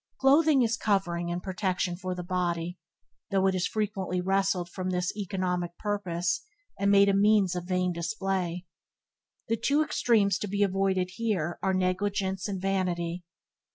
Clothing is covering and protection for the body, though it is frequently wrested from this economic purpose, and made a means of vain display. The two extremes to be avoided here are negligence and vanity.